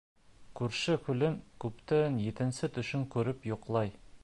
Күрше-күлән күптән етенсе төшөн күреп йоҡлай.